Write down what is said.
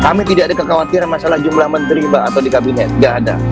kami tidak ada kekhawatiran masalah jumlah menteri mbak atau di kabinet nggak ada